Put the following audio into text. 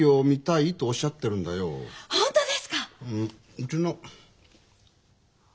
うちの。